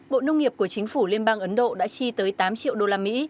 bộ nông nghiệp của chính phủ liên bang ấn độ đã chi tới tám triệu đô la mỹ